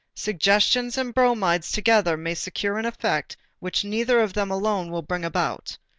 Suggestions and bromides together may secure an effect which neither of them alone will bring about.